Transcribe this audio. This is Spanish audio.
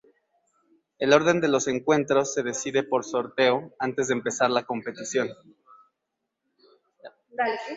El orden de los encuentros se decide por sorteo antes de empezar la competición.